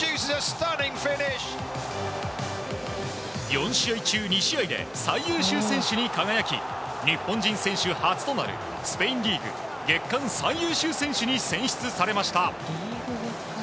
４試合中２試合で最優秀選手に輝き日本人選手初となるスペインリーグ月間最優秀選手に選出されました。